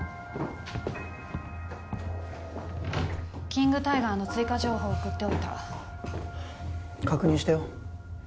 キング・タイガーの追加情報送っておいた確認したよ